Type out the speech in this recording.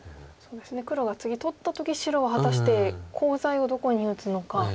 黒が次取った時白は果たしてコウ材をどこに打つのか。